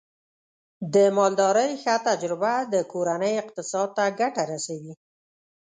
د مالدارۍ ښه تجربه د کورنۍ اقتصاد ته ګټه رسوي.